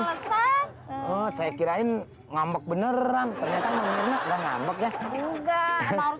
lestan oh saya kirain ngambek beneran ternyata mengenal dan ngambek juga harus